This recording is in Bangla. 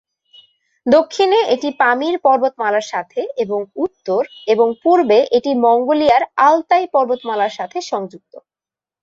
দক্ষিণে এটি পামির পর্বতমালার সাথে এবং উত্তর এবং পূর্বে এটি মঙ্গোলিয়ার আলতাই পর্বতমালার সাথে সংযুক্ত।